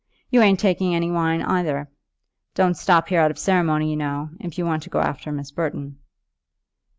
You ain't taking any wine either. Don't stop here out of ceremony, you know, if you want to go after Miss Burton."